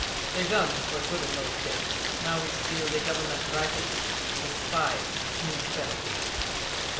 The guns were good in those days. Now we steal the Government rifles, and despise smooth barrels.